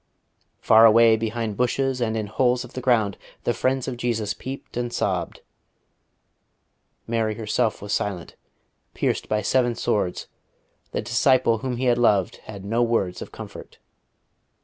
_" Far away behind bushes and in holes of the ground the friends of Jesus peeped and sobbed; Mary herself was silent, pierced by seven swords; the disciple whom He loved had no words of comfort.